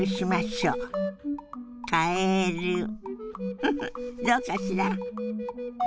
フフッどうかしら？